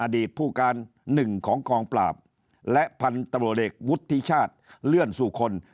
อดีตผู้การหนึ่งของกองปราบและพันธุ์ตำรวจเอกวุฒิชาติเลื่อนสู่คน